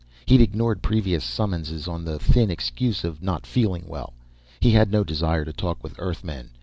He'd ignored previous summons on the thin excuse of not feeling well. He had no desire to talk with Earthmen.